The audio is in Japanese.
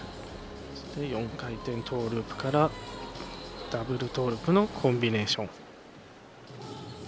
４回転トーループからダブルトーループのコンビネーション。